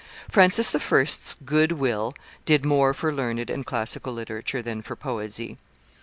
Francis I.'s good will did more for learned and classical literature than for poesy.